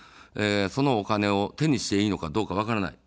そのお金を手にしていいのかどうか分からない。